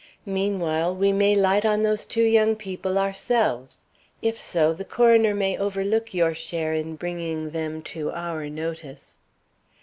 Meanwhile we may light on those two young people ourselves. If so, the coroner may overlook your share in bringing them to our notice."